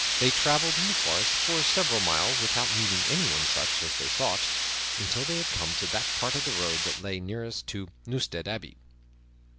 They traveled in the forest for several miles without meeting anyone such as they sought, until they had come to that part of the road that lay nearest to Newstead Abbey.